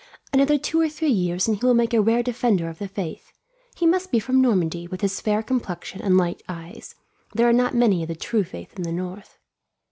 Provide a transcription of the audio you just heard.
"Another two or three years, and he will make a rare defender of the faith. He must be from Normandy, with his fair complexion and light eyes. There are not many of the true faith in the north."